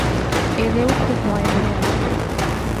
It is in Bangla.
এলেও খুব ভয়ে ভয়ে আসবে।